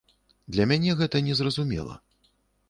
Для мяне гэта незразумела.